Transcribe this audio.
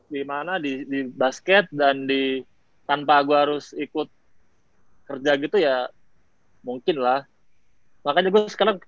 dimana di basket dan di tanpa gue harus ikut kerja gitu ya mungkin lah makanya gue sekarang